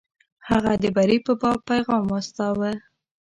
هغه د بري په باب پیغام واستاوه.